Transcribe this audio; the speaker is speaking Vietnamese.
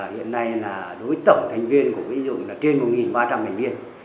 hiện nay đối với tổng thành viên của quỹ tiến dụng là trên một ba trăm linh thành viên